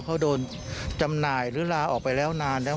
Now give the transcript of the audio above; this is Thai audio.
เขาโดนจำหน่ายหรือลาออกไปแล้วนานแล้ว